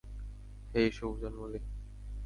হেই শুভ জন্মদিন!